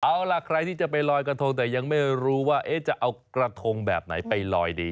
เอาล่ะใครที่จะไปลอยกระทงแต่ยังไม่รู้ว่าจะเอากระทงแบบไหนไปลอยดี